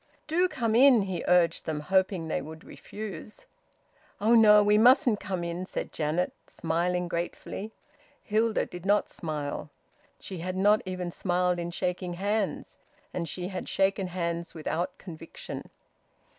"Do come in," he urged them, hoping they would refuse. "Oh no. We mustn't come in," said Janet, smiling gratefully. Hilda did not smile; she had not even smiled in shaking hands; and she had shaken hands without conviction.